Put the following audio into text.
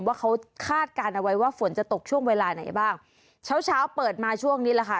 ว่าเขาคาดการณ์เอาไว้ว่าฝนจะตกช่วงเวลาไหนบ้างเช้าเช้าเปิดมาช่วงนี้แหละค่ะ